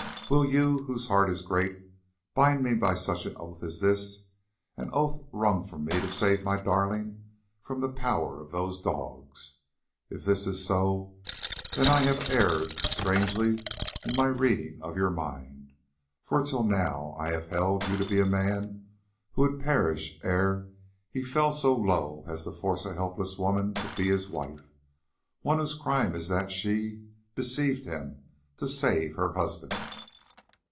Will you, whose heart is great, bind me by such an oath as this, an oath wrung from me to save my darling from the power of those dogs? If this is so, then I have erred strangely in my reading of your mind, for till now I have held you to be a man who would perish ere he fell so low as to force a helpless woman to be his wife, one whose crime is that she deceived him to save her husband."